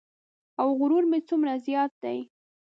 او غرور مې څومره زیات دی.